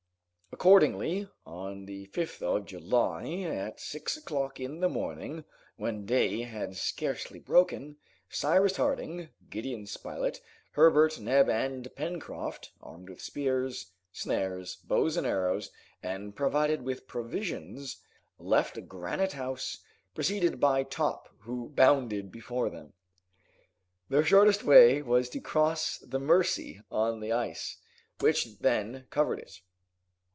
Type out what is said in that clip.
Accordingly, on the 5th of July, at six o'clock in the morning, when day had scarcely broken, Cyrus Harding, Gideon Spilett, Herbert, Neb, and Pencroft, armed with spears, snares, bows and arrows, and provided with provisions, left Granite House, preceded by Top, who bounded before them. Their shortest way was to cross the Mercy on the ice, which then covered it.